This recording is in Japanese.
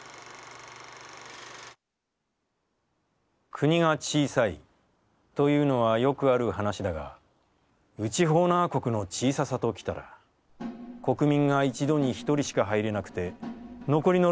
「国が小さい、というのはよくある話だが、内ホーナー国の小ささときたら、国民が一度に一人しか入れなくて、残りの六人は内